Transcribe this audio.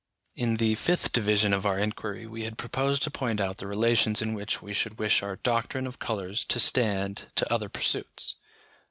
In the fifth division of our inquiry we had proposed to point out the relations in which we should wish our doctrine of colours to stand to other pursuits.